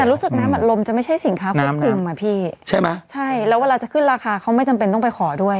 แต่รู้สึกน้ำอัดลมจะไม่ใช่สินค้าควบคุมอ่ะพี่ใช่ไหมใช่แล้วเวลาจะขึ้นราคาเขาไม่จำเป็นต้องไปขอด้วย